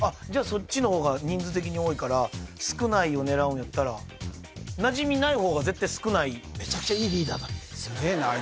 そっちの方が人数的に多いから少ないを狙うんやったらなじみない方が絶対少ないめちゃくちゃいいリーダーだなあ